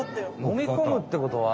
飲み込むってことは。